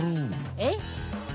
えっ？